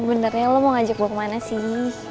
benernya lo mau ngajak gue kemana sih